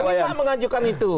kita tidak mengajukan itu